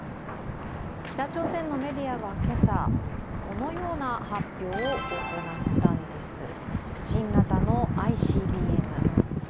北朝鮮のメディアは今朝、このような発表を行ったんです。